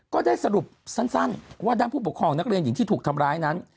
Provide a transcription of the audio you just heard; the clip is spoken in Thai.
ก็ได้สรุปสั้นว่าด้านผู้ปกครองนักเรียนหญิงที่ถูกทำร้ายนั้น